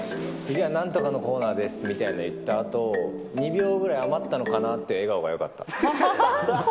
次はなんとかのコーナーですみたいなの言ったあと、２秒ぐらい余ったのかなっていう笑顔がよかった。